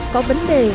có vấn đề